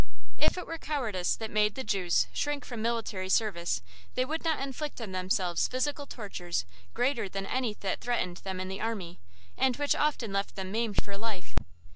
If it were cowardice that made the Jews shrink from military service they would not inflict on themselves physical tortures greater than any that threatened them in the army, and which often left them maimed for life.